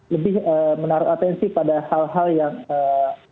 lebih menaruh atensi pada hal hal yang ee